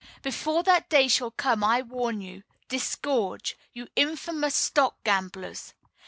Before that day shall come I warn you Disgorge! you infamous stock gamblers!